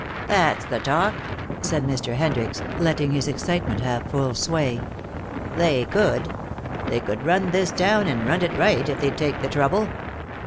"That's the talk," said Mr. Hendricks, letting his excitement have full sway. "They could. They could run this town and run it right, if they'd take the trouble.